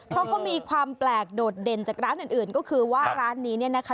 เพราะเขามีความแปลกโดดเด่นจากร้านอื่นก็คือว่าร้านนี้เนี่ยนะคะ